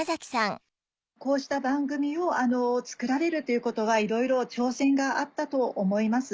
こうした番組を作られるということはいろいろ挑戦があったと思います。